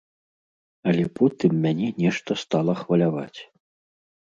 Але потым мяне нешта стала хваляваць.